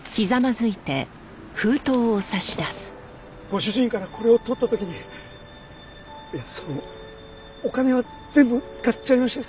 ご主人からこれを取った時にいやそのお金は全部使っちゃいまして。